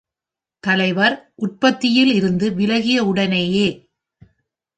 தலைவர், உற்பத்தியில் இருந்து விலகிய உடனேயே.